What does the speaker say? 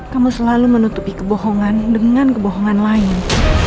kamu selalu menutupi kebohongan dengan kebohongan lain